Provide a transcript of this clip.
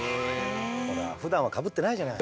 ほらふだんはかぶってないじゃない。